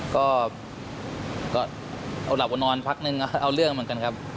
ก็เอาหลับเอานอนพักนึงก็เอาเรื่องเหมือนกันครับ